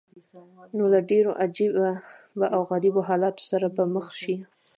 نو له ډېرو عجیبه او غریبو حالاتو سره به مخ شې.